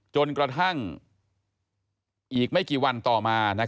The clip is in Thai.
จนกระทั่งอีกไม่กี่วันต่อมา